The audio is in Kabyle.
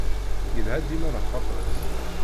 Yelha dima lxaṭer-is.